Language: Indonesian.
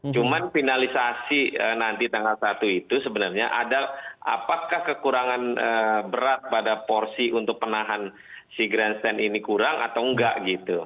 cuman finalisasi nanti tanggal satu itu sebenarnya ada apakah kekurangan berat pada porsi untuk penahan si grandstand ini kurang atau enggak gitu